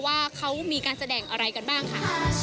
ว่าเขามีการแสดงอะไรกันบ้างค่ะ